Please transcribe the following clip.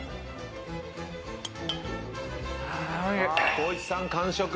光一さん完食。